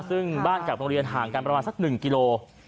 ซึ่งบ้านกับโรงเรียนห่างกันประมาณสัก๑กิโล